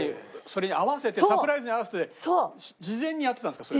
それに合わせてサプライズに合わせて事前にやってたんですか？